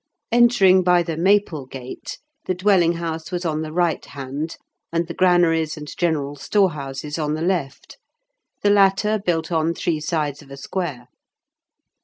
Entering by the Maple Gate, the dwelling house was on the right hand, and the granaries and general storehouses on the left, the latter built on three sides of a square.